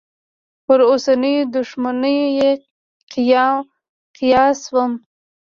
پر اوسنیو دوښمنیو یې قیاسوم.